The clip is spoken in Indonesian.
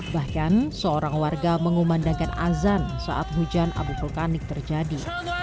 bahkan seorang warga mengumandangkan azan saat hujan abu vulkanik terjadi